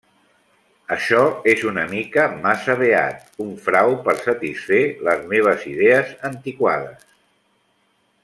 Això és una mica massa beat, un frau per satisfer les meves idees antiquades.